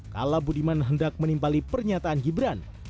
kala budiman hendak menimpali pernyataan gibran